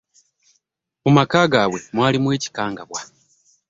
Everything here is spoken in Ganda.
Mu maka gabwe mwalimu ekikangabwa.